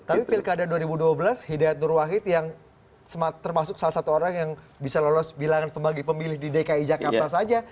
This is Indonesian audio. tapi pilkada dua ribu dua belas hidayat nur wahid yang termasuk salah satu orang yang bisa lolos bilangan pembagi pemilih di dki jakarta saja